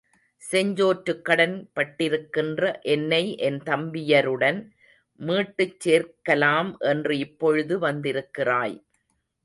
செஞ்சோற்றுக் கடன்பட்டிருக்கின்ற என்னை என் தம்பியருடன் மீட்டுச் சேர்க்கலாம் என்று இப்பொழுது வந்திருக்கிறாய்.